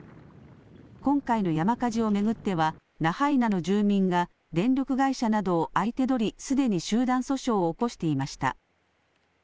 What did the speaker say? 今回の山火事を巡ってはラハイナの住民が電力会社などを相手取りすでに集団訴訟を起こしていました。